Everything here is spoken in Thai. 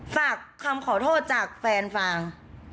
ฝากคำขอโทษจากแฟนฟาง